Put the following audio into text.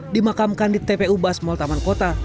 dimakamkan di tpu basmol taman kota